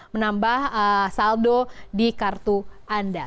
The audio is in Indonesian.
menambah saldo di kartu anda